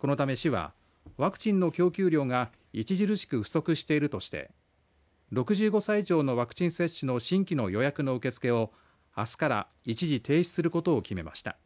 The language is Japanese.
このため市はワクチンの供給量が著しく不足しているとして６５歳以上のワクチン接種の新規の予約の受け付けをあすから一時停止することを決めました。